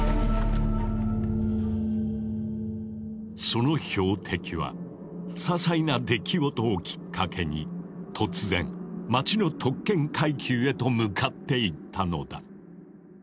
その標的はささいな出来事をきっかけに突然町の特権階級へと向かっていったのだ。